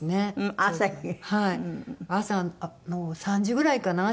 朝の３時ぐらいかな？